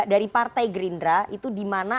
dari partai gerindra itu dimana